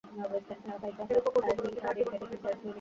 এরূপ অপূর্ব উপলব্ধি তাহার জীবনে কোনোদিন ঘটে নাই।